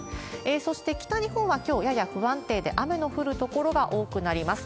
そして北日本はきょう、やや不安定で、雨の降る所が多くなります。